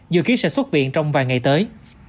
dự kiến sẽ xuất viện trong vài ngày tới